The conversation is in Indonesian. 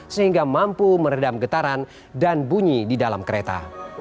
sehingga mampu meredam getaran dan bunyi di dalam kereta